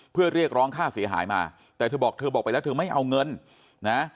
เพื่อเรียกร้องค่าเสียหายมาแต่เธอบอกเธอบอกไปแล้วเธอไม่เอาเงินนะ